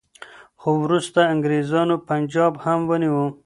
خو وروسته انګریزانو پنجاب هم ونیو.